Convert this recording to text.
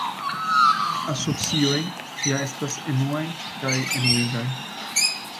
Asocioj ja estas enuaj kaj enuigaj.